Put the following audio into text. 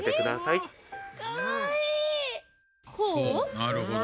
なるほど。